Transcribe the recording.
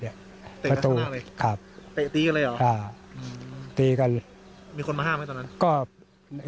เตะกระตูหน้าเลยตีกันเลยหรอมีคนมาห้ามให้ตอนนั้น